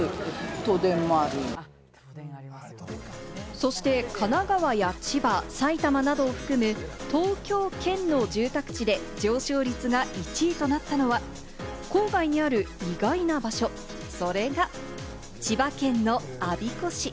そして、神奈川や千葉、埼玉などを含む東京圏の住宅地で上昇率が１位となったのは、郊外にある意外な場所、それが、千葉県の我孫子市。